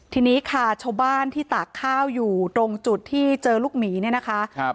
ทีนี้ค่ะชาวบ้านที่ตากข้าวอยู่ตรงจุดที่เจอลูกหมีเนี่ยนะคะ